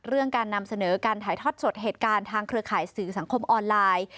เรื่องการนำเสนอการถ่ายทอดสดเหตุการณ์ทางเครือข่ายสื่อสังคมออนไลน์